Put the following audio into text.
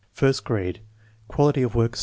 first grade, quality of work 7.